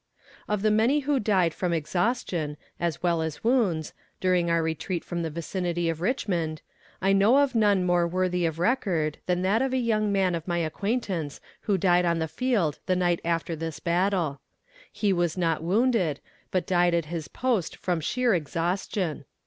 Of the many who died from exhaustion, as well as wounds, during our retreat from the vicinity of Richmond, I know of none more worthy of record than that of a young man of my acquaintance who died on the field the night after this battle. He was not wounded, but died at his post from sheer exhaustion.